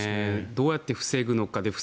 どうやって防ぐのか。